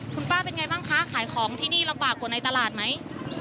คุณป้าเป็นไงบ้างคะขายของที่นี่ลำบากกว่าในตลาดไหม